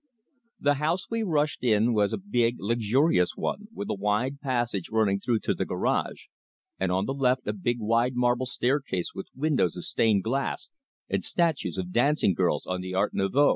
The house we rushed in was a big, luxurious one, with a wide passage running through to the Garage, and on the left a big, wide marble staircase with windows of stained glass and statues of dancing girls of the art nouveau.